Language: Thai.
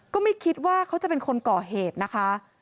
ก็ไม่คิดว่าเขาจะเป็นคนก่อเหตุนะคะ